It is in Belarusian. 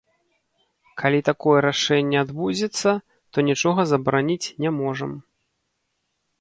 Калі такое рашэнне адбудзецца, то нічога забараніць не можам.